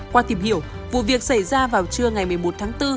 qua tìm hiểu vụ việc xảy ra vào trưa ngày một mươi một tháng bốn